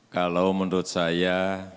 kalau menurut saya